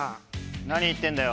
何言ってんだよ。